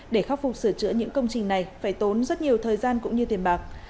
để khắc phục sửa chữa những công trình này phải tốn rất nhiều thời gian cũng như tiền bạc